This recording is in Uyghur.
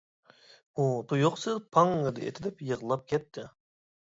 ئۇ تۇيۇقسىز پاڭڭىدە ئېتىلىپ يىغلاپ كەتتى.